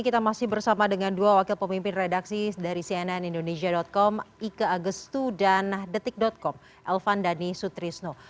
kita masih bersama dengan dua wakil pemimpin redaksi dari cnn indonesia com ike agustu dan detik com elvan dhani sutrisno